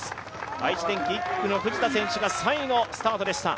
愛知電機、１区の藤田選手が３位のスタートでした。